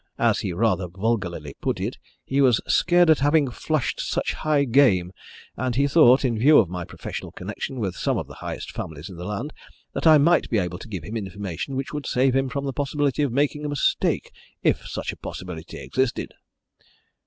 As he rather vulgarly put it, he was scared at having flushed such high game, and he thought, in view of my professional connection with some of the highest families in the land, that I might be able to give him information which would save him from the possibility of making a mistake if such a possibility existed."